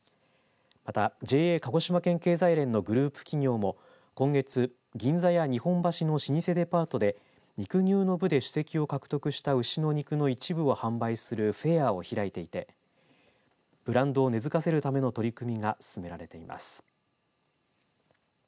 また、ＪＡ鹿児島県経済連のグループ企業も今月、銀座や日本橋の老舗デパートで肉牛の部で首席を獲得した牛の肉の一部を販売するフェアを開いていてブランドを根づかせるための取り組みが進められています。